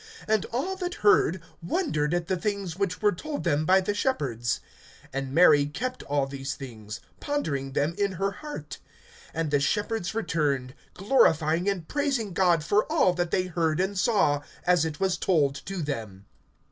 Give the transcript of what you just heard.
(18)And all that heard wondered at the things which were told them by the shepherds. (19)And Mary kept all these things[2:19], pondering them in her heart. (20)And the shepherds returned, glorifying and praising God for all that they heard and saw, as it was told to them.